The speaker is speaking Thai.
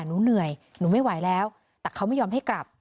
หนูเหนื่อยหนูไม่ไหวแล้วแต่เขาไม่ยอมให้กลับ